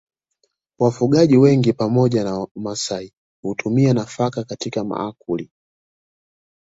Wafugaji wengi pamoja na Wamasai hutumia nafaka katika maakuli